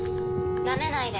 「なめないで。